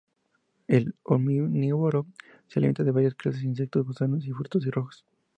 Es omnívoro: se alimenta de varias clases de insectos, gusanos y frutos rojos.